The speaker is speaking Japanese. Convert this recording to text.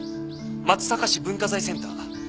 松阪市文化財センター。